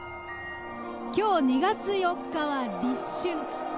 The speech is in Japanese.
今日２月４日は立春。